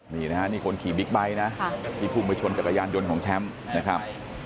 นี่นะฮะนี่คนขี่บิ๊กไบท์นะที่พุ่งไปชนจักรยานยนต์ของแชมป์นะครับ